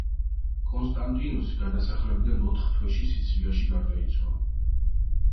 კონსტანტინოსი გადასახლებიდან ოთხ თვეში, სიცილიაში გარდაიცვალა.